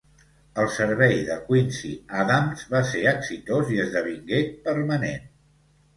El servei de Quincy Adams va ser exitós i esdevingué permanent.